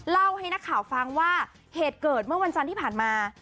เล่าให้นักข่าวฟังว่าเหตุเกิดเมื่อวันจันทร์ที่ผ่านมา